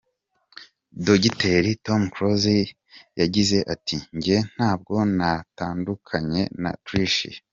Dogiteri Tom Close yagize ati: “Njye ntabwo natandukanye na Tricia.